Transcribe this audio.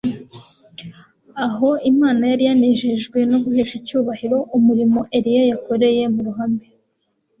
aho Imana yari yanejejwe no guhesha icyubahiro umurimo Eliya yakoreye mu ruhame